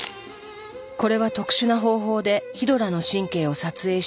これは特殊な方法でヒドラの神経を撮影したもの。